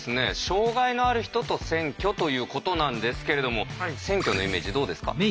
障害のある人と選挙ということなんですけれども選挙のイメージどうですか？